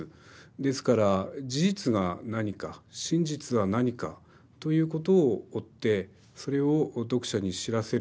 ですから事実が何か真実は何かということを追ってそれを読者に知らせる。